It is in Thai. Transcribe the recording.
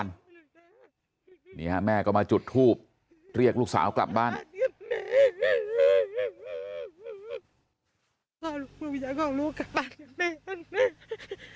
แล้วก็ยัดลงถังสีฟ้าขนาด๒๐๐ลิตร